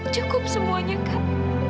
cukup semuanya kak